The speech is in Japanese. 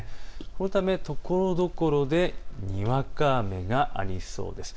このためところどころでにわか雨がありそうです。